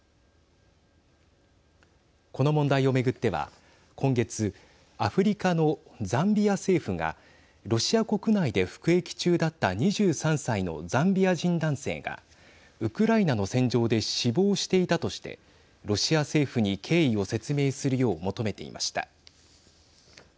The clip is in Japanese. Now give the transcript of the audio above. この問題を巡っては今月アフリカのザンビア政府がロシア国内で服役中だった２３歳のザンビア人男性がウクライナの戦場で死亡していたとしてロシア政府に経緯を説明するよう求めていました。